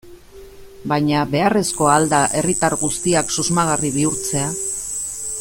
Baina, beharrezkoa al da herritar guztiak susmagarri bihurtzea?